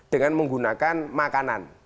dengan menggunakan makanan